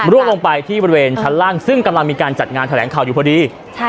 ลงไปที่บริเวณชั้นล่างซึ่งกำลังมีการจัดงานแถลงข่าวอยู่พอดี